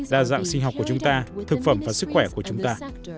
đa dạng sinh học của chúng ta thực phẩm và sức khỏe của chúng ta